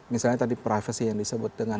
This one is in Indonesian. misalnya tadi privacy yang disebut dengan